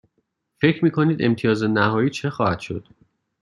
فکر می کنید امتیاز نهایی چه خواهد شد؟